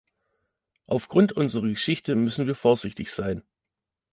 Aufgrund unserer Geschichte müssen wir vorsichtig sein.